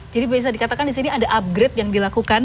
jadi bisa dikatakan disini ada upgrade yang dilakukan